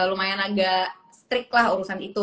lumayan agak strict lah urusan itu